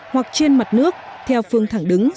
hoặc trên mặt nước theo phương thẳng đứng